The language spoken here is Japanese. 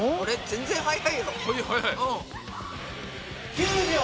全然速いよ。